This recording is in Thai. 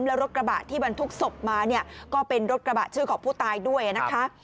แล้วรถกระบะที่บรรทุกศพมาเนี่ยก็เป็นรถกระบะชื่อของผู้ตายด้วยนะคะ